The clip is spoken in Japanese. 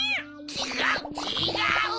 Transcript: ちがうちがう！